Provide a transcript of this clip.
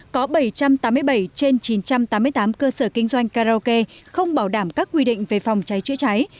có bảy trăm tám mươi bảy trên chín trăm tám mươi tám cơ sở kinh doanh karaoke không bảo đảm các quy định về phòng cháy chữa cháy